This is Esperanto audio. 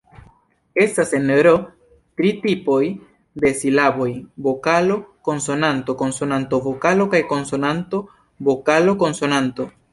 Estas en Ro tri tipoj de silaboj: vokalo-konsonanto, konsonanto-vokalo kaj konsonanto-vokalo-konsonanto.